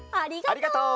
ありがとう！